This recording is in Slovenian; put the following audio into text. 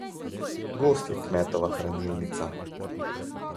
Gozd je kmetova hranilnica.